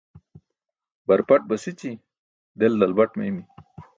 Barpaṭ basići, del dalbat meymi